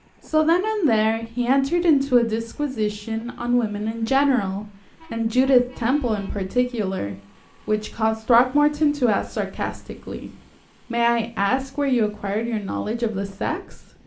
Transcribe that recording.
So then and there he entered into a disquisition on women in general and Judith Temple in particular, which caused Throckmorton to ask sarcastically: "May I ask where you acquired your knowledge of the sex?"